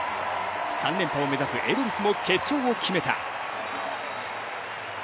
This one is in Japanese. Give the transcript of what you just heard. ３連覇を目指すエドリスも決勝を決めた。